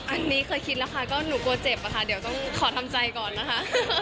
อันนี้เคยคิดแล้วค่ะก็หนูกลัวเจ็บอะค่ะเดี๋ยวต้องขอทำใจก่อนนะคะ